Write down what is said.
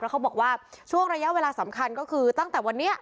เขาบอกว่าช่วงระยะเวลาสำคัญก็คือตั้งแต่วันนี้